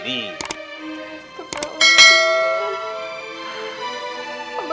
tentang lo mbah